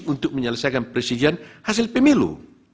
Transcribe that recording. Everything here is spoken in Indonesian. untuk menyelesaikan presiden hasil pemilu